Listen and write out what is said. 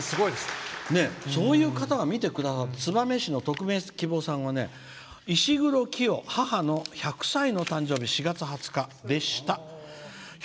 そういう方が見てくださって燕市の匿名希望さんは「いしぐろきよ母の１００歳の誕生日４月２０日でした」。